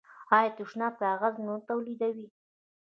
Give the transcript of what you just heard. آیا د تشناب کاغذ نه تولیدوي؟